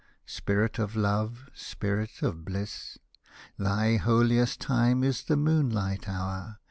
Spirit of Love, Spirit of Bliss ! Thy holiest time is the moonlight hour.